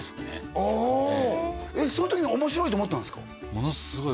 ああその時に面白いと思ったんですか？